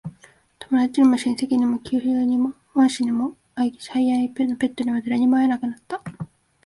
友達にも、親戚にも、旧友にも、恩師にも、最愛のペットにも、誰にも会えなくなった。